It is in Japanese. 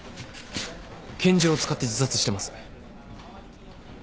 拳銃を使って自殺してます。